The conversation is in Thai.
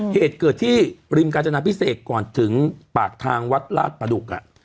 เหตุเกิดที่ริมกาญจนาพิเศษก่อนถึงปากทางวัดลาดประดุก